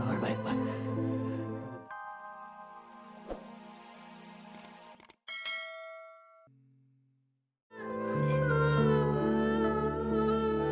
amal baik mas